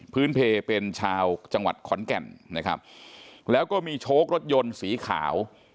เพลเป็นชาวจังหวัดขอนแก่นนะครับแล้วก็มีโชครถยนต์สีขาว